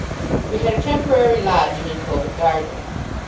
We had a temporary lodging in Covent Garden.